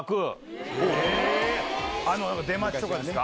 出待ちとかですか。